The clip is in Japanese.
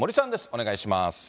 お願いします。